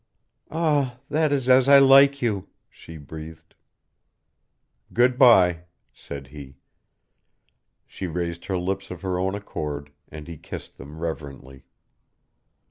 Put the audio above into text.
"Ah, that is as I like you," she breathed. "Good by," said he. She raised her lips of her own accord, and he kissed them reverently.